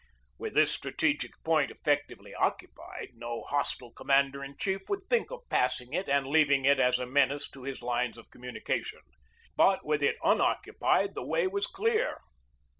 With this strategic point effectively occupied, no hostile commander in chief would think of pass ing it and leaving it as a menace to his lines of com THE BATTLE OF MANILA BAY 201 munication. But with it unoccupied the way was clear.